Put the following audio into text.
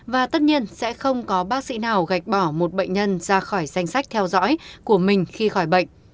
và tất nhiên sẽ không có bác sĩ nào gạch bỏ một bệnh nhân ra khỏi danh sách theo dõi của mình khi khỏi bệnh